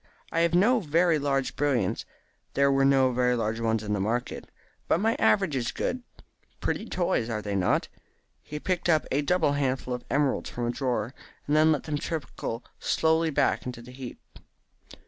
I have no very large brilliants there were no very large ones in the market but my average is good. Pretty toys, are they not?" He picked up a double handful of emeralds from a drawer, and then let them trickle slowly back into the heap.